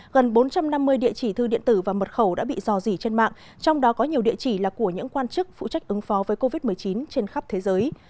gần bốn trăm năm mươi địa chỉ thư điện tử và mật khẩu đã bị dò dỉ trên mạng trong đó có nhiều địa chỉ là của những quan chức phụ trách ứng phó với covid một mươi chín trên khắp thế giới